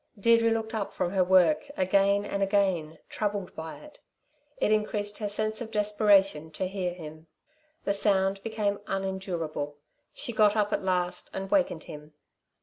Deirdre looked up from her work, again and again, troubled by it. It increased her sense of desperation to hear him. The sound became unendurable. She got up at last and awakened him.